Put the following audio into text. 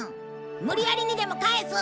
無理やりにでも帰す！